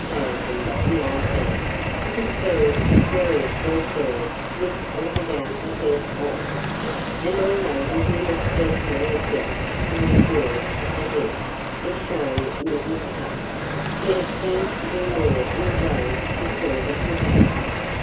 1019, this bird is variously served with or without the head on; and although we do not personally object to the appearance of the head as shown in the woodcut, yet it seems to be more in vogue to serve it without.